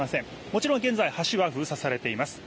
もちろん、現在橋は封鎖されています。